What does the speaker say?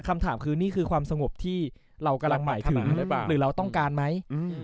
คำถามคือนี่คือความสงบที่เรากำลังหมายถึงหรือเราต้องการไหม